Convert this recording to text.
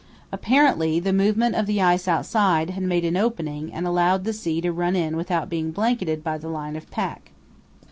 Apparently the movement of the ice outside had made an opening and allowed the sea to run in without being blanketed by the line of pack.